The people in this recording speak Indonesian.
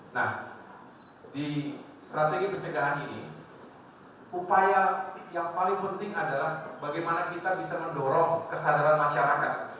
nah di strategi pencegahan ini upaya yang paling penting adalah bagaimana kita bisa mendorong kesadaran masyarakat